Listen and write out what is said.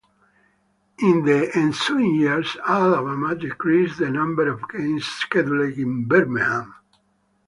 In the ensuing years, Alabama decreased the number of games scheduled in Birmingham.